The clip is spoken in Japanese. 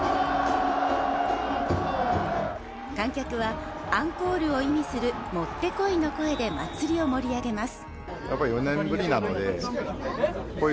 観客は「アンコール」を意味するモッテコイの声で祭りを盛り上げます。